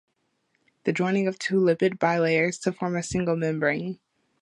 The joining of two lipid bilayers to form a single membrane.